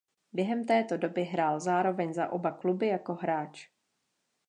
Během této doby hrál zároveň za oba kluby jako hráč.